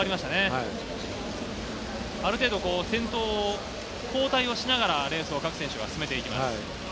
ある程度、先頭を交代しながらレースを各選手は進めていきます。